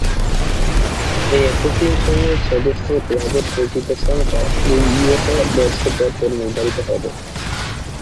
এই অ্যাসোসিয়েশনের সদস্য ক্লাবের প্রকৃত সংখ্যা দুই উয়েফা বর্ষ পর পর নির্ধারিত হবে।